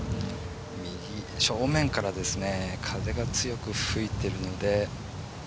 正面から風が強く吹いているので。